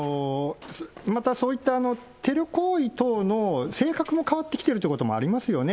またそういったテロ行為等の性格も変わってきているということもありますよね。